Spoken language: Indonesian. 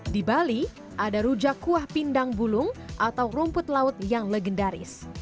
di bali ada rujak kuah pindang bulung atau rumput laut yang legendaris